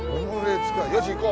よし行こう。